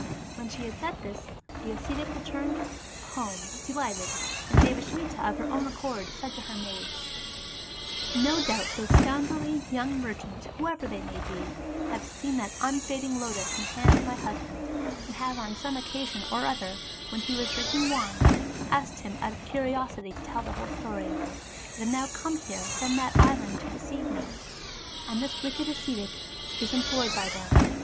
When she had said this, the ascetic returned home delighted, and Devasmita of her own accord said to her maids :" No doubt those scoundrelly young merchants, whoever they may be, have seen that unfading lotus in the hand of my husband, and have on some occasion or other, when he was drinking wine, asked him out of curiosity to tell the whole story of it, and have now come here from that island to deceive me, and this wicked ascetic is employed by them.